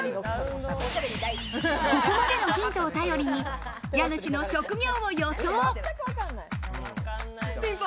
ここまでのヒントを頼りに家主の職業を予想。